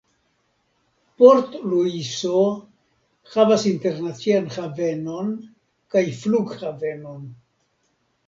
Port-Luiso havas internaciajn havenon kaj flughavenon.